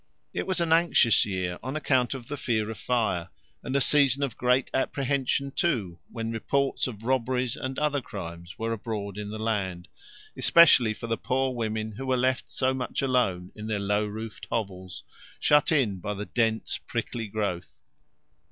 It was an anxious year on account of the fear of fire, and a season of great apprehension too when reports of robberies and other crimes were abroad in the land, especially for the poor women who were left so much alone in their low roofed hovels, shut in by the dense prickly growth.